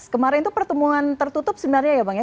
kemarin itu pertemuan tertutup sebenarnya ya bang ya